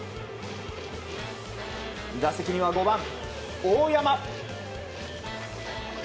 打席には５番、大山。